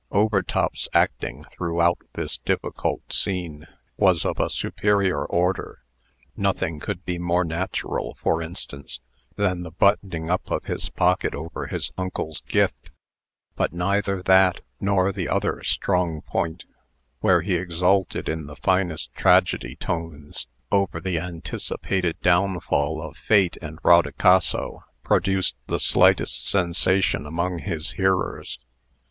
] Overtop's acting, throughout this difficult scene, was of a superior order. Nothing could be more natural, for instance, than the buttoning up of his pocket over his uncle's gift. But neither that, nor the other strong point, where he exulted in the finest tragedy tones over the anticipated downfall of Fate and Rodicaso, produced the slightest sensation among his hearers.